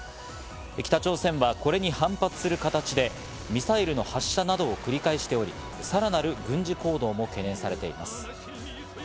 北朝鮮はこれに反発する形でミサイルの発射などを繰り返しており、さらなる軍事行動も懸念されています。